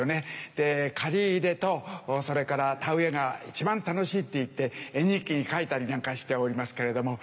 で刈り入れとそれから田植えが一番楽しいって言って絵日記に描いたりなんかしておりますけれども。